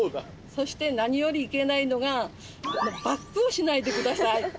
そして何よりいけないのがバックをしないで下さい。